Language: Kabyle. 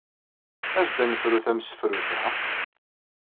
As-d ad nefru tamsefrut-a.